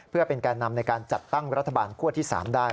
เพื่อเป็นแก่นำในการจัดตั้งรัฐบาลคั่วที่๓ได้